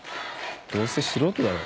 どうせ素人だろ。